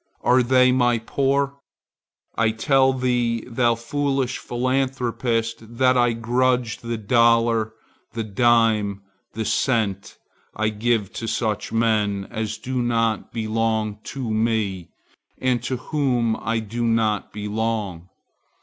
Are they my poor? I tell thee thou foolish philanthropist that I grudge the dollar, the dime, the cent, I give to such men as do not belong to me and to whom I do not belong.